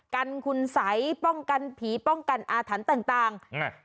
กันคุณสัยป้องกันผีป้องกันอาถรรพ์ต่างต่างยังไง